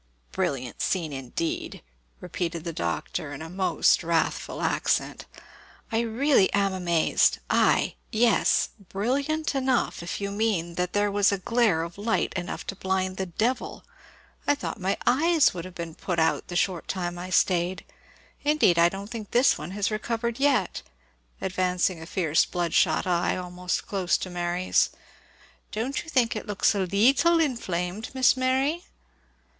"Brilliant scene, indeed!" repeated the Doctor in a most; wrathful accent: "I really am amazed I yes brilliant enough if you mean that there was a glare of light enough to blind the devil. I thought my eyes would have been put out the short time I stayed; indeed, I don't think this one has recovered it yet," advancing a fierce blood shot eye almost close to Mary's. "Don't you think it looks a leettle inflamed, Miss Mary?"